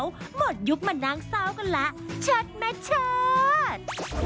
หมดยุคมานางเศร้ากันละชัดมั้ยชัด